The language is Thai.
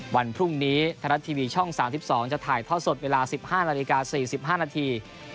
วันพรุ่งนี้ไทยรัฐทีวีช่อง๓๒จะถ่ายทอดสดเวลา๑๕นาฬิกา๔๕นาที